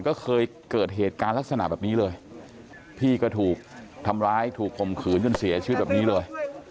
ก็เคยเกิดเหตุการณ์ลักษณะแบบนี้เลยพี่ก็ถูกทำร้ายถูกข่มขืนจนเสียชีวิตแบบนี้เลย